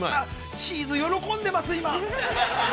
◆チーズ喜んでます、今。